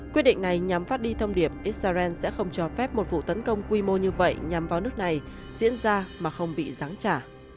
quyết định này nhằm phát đi thông điệp israel sẽ không cho phép một vụ tấn công quy mô như vậy nhằm vào nước này diễn ra mà không bị giáng trả